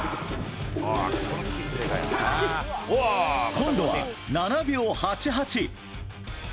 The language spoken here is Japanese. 今度は７秒８８。